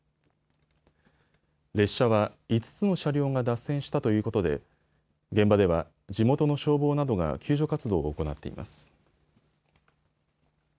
列車は５つの車両が脱線したということで現場では地元の消防などが救助活動を行っています。